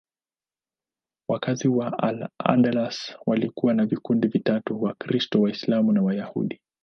Wakazi wa Al-Andalus walikuwa wa vikundi vitatu: Wakristo, Waislamu na Wayahudi.